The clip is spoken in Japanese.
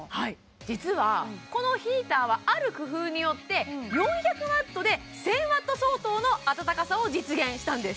実はこのヒーターはある工夫によって４００Ｗで１０００Ｗ相当のあたたかさを実現したんです